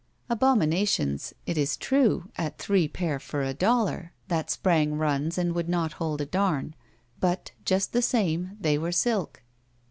Abominations, it is true, at three pair for a dollar, that sprang runs and would not hold a dam, but, just the same, they were silk.